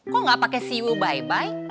kok gak pake siwuh bye bye